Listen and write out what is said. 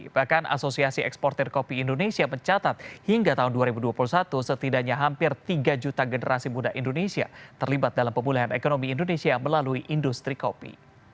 bahkan asosiasi eksporter kopi indonesia mencatat hingga tahun dua ribu dua puluh satu setidaknya hampir tiga juta generasi muda indonesia terlibat dalam pemulihan ekonomi indonesia melalui industri kopi